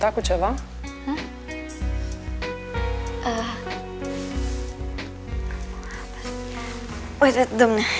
aku merasa sedikit sedih aku tidak bisa tidur